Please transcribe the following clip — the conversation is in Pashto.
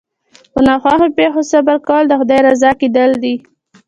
په ناخوښو پېښو صبر کول د خدای رضا کېدل دي.